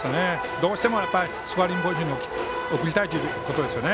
どうしてもスコアリングポジションに送りたいということですね。